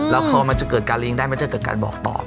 แล้วเขามันจะเกิดการลิงก์ได้มันจะเกิดการบอกตอบ